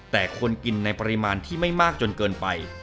แต่ควรกินในปริมาณที่ไม่มากจนเกินไป